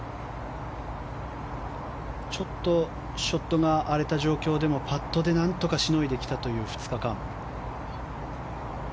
ちょっとショットが荒れた状況でもパットで何とかしのいできたという２日間。